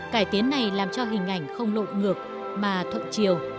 cải tiến này làm cho hình ảnh không lộn ngược mà thuận chiều